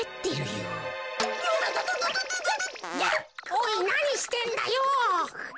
おいなにしてんだよ。